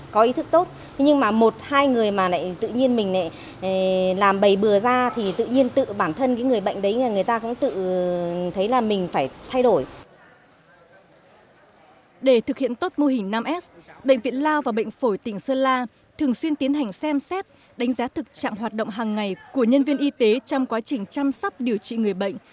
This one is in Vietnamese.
của nhân viên y tế trong quá trình chăm sóc điều trị người bệnh